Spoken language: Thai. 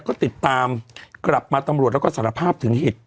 ก็ติดตามกลับมาตำรวจแล้วก็สารภาพถึงเหตุ